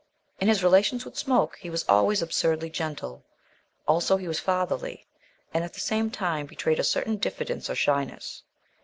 In his relations with Smoke he was always absurdly gentle; also he was fatherly; and at the same time betrayed a certain diffidence or shyness.